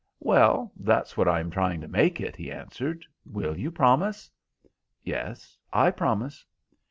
"Well, that's what I am trying to make it," he answered. "Will you promise?" "Yes, I promise."